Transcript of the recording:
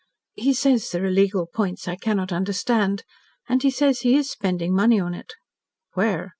"He says there are legal points I cannot understand. And he says he is spending money on it." "Where?"